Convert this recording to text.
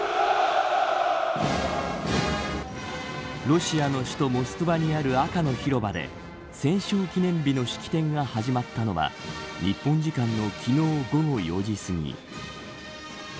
ロシアの首都モスクワにある赤の広場で戦勝記念日の式典が始まったのは日本時間の昨日午後４時すぎ。